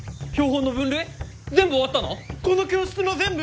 この教室の全部！？